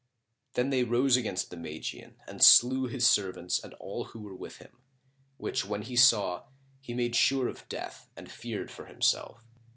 Then they rose against the Magian and slew his servants and all who were with him; which when he saw, he made sure of death and feared for himself.